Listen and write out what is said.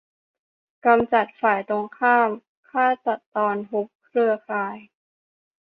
กำจัดฝ่ายตรงข้าม ฆ่าตัดตอน ฮุบเครือข่าย